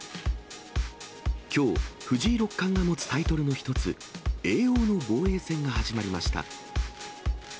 きょう、藤井六冠が持つタイトルの１つ、叡王の防衛戦が始まりました。